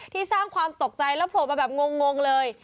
สร้างความตกใจแล้วโผล่มาแบบงงเลย